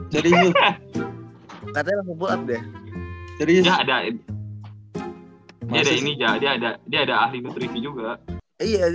jadi dio katanya langsung pull up deh